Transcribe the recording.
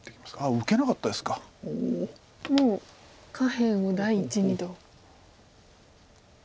もう下辺を第一にと。